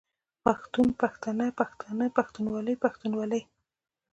پښتون، پښتنه، پښتانه، پښتونولي، پښتونولۍ